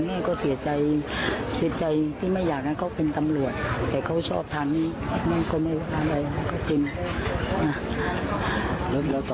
พ่อก็ตายในหน้าที่เป็นตำรวจเหมือนกัน